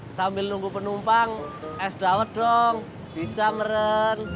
sambil nunggu penumpang es dawet dong bisa meren